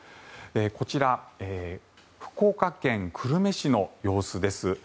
こちら福岡県久留米市の様子です。